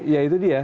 ya itu dia